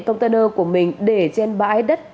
container của mình để trên bãi đất